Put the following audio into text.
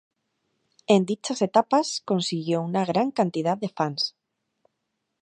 En dichas etapas consiguió una gran cantidad de fans.